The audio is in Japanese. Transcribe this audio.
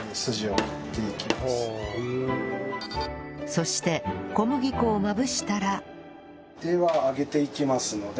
そして小麦粉をまぶしたらでは揚げていきますのでこちら